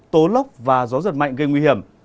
tố lóc và gió giật mạnh gây nguy hiểm